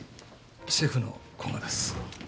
シェフの古賀です。